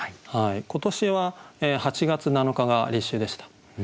今年は８月７日が立秋でした。